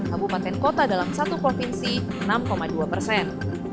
dan kabupaten kota dalam satu provinsi enam dua persen